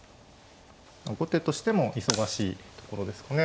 後手としても忙しいところですかね。